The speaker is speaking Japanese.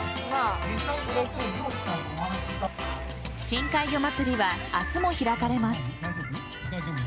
深海魚まつりは明日も開かれます。